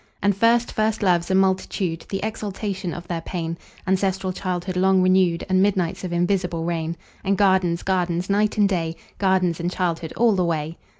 And first first loves, a multitude, The exaltation of their pain; Ancestral childhood long renewed; And midnights of invisible rain; And gardens, gardens, night and day, Gardens and childhood all the way.